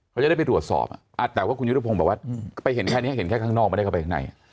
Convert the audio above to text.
เขาจะได้ไปตรวจสอบแต่ว่าคุณยุทธพงศ์บอกว่าไปเห็นแค่นี้เห็นแค่ข้างนอกไม่ได้เข้าไปข้างใน